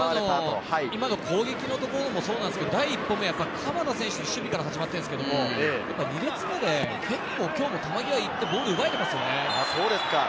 今の攻撃のところもそうなんですけど、第１歩目は鎌田選手の守備から始まっているんですけれど、もう２列目で球際、ボール奪えていますよね。